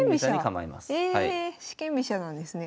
え四間飛車なんですね。